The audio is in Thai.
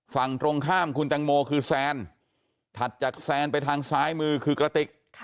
ฝั่งตรงข้ามคุณตังโมคือแซนถัดจากแซนไปทางซ้ายมือคือกระติก